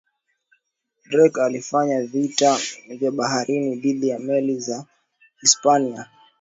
drake alifanya vita vya baharini dhidi ya meli za hispania